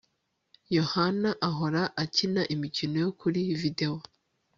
yohana ahora akina imikino yo kuri videwo